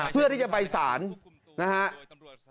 เพื่อที่จะไปศาลนะฮะ